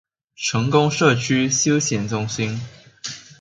成功社區休閒中心